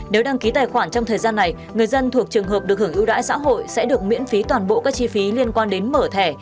nếu đăng ký tài khoản trong thời gian này người dân thuộc trường hợp được hưởng ưu đãi xã hội sẽ được miễn phí toàn bộ các chi phí liên quan đến mở thẻ